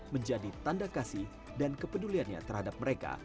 menjadi tanda kasih dan kepeduliannya terhadap mereka